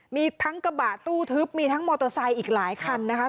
มีทั้งกระบะตู้ทึบมีทั้งมอเตอร์ไซค์อีกหลายคันนะคะ